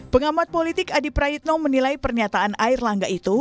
pengamat politik adi prayitno menilai pernyataan air langga itu